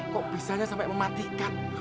kok bisanya sampai mematikan